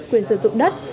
quyền sử dụng đất